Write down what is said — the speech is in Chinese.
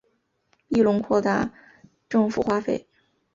庇隆扩大政府花费。